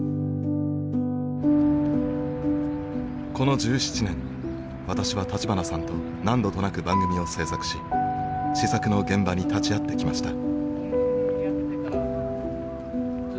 この１７年私は立花さんと何度となく番組を制作し思索の現場に立ち会ってきました。